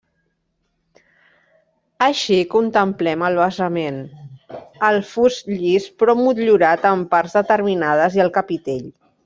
Així contemplem el basament, el fust llis però motllurat en parts determinades i el capitell.